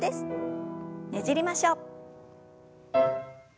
ねじりましょう。